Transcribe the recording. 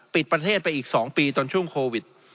ปิดประเทศไปอีก๒ปีตอนช่วงโควิด